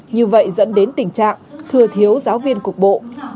như vậy dẫn đến tình trạng thừa thiếu giáo viên cục bộ